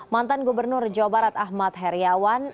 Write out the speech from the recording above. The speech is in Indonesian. mantan gubernur jawa barat ahmad heriawan